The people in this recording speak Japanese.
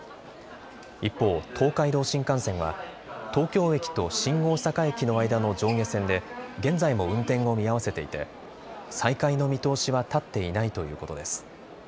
一方、東海道新幹線は東京駅と新大阪駅の間の上下線で現在も運転を見合わせていて再開の見通しは立っていないということです。